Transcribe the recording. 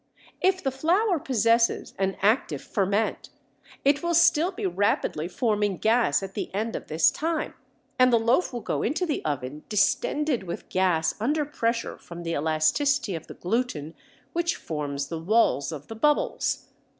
If the flour possesses an active ferment it will still be rapidly forming gas at the end of this time, and the loaf will go into the oven distended with gas under pressure from the elasticity of the gluten which forms the walls of the bubbles.